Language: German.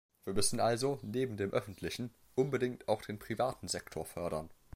Wir müssen also neben dem öffentlichen unbedingt auch den privaten Sektor fördern.